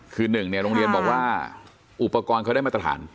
คือหนึ่งเนี่ยโรงเรียนบอกว่าอุปกรณ์เขาได้มาตรฐาน